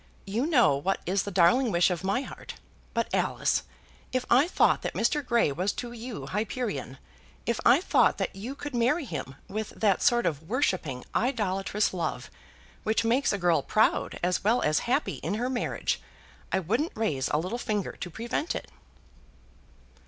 You know what is the darling wish of my heart. But, Alice, if I thought that Mr. Grey was to you Hyperion, if I thought that you could marry him with that sort of worshipping, idolatrous love which makes a girl proud as well as happy in her marriage, I wouldn't raise a little finger to prevent it."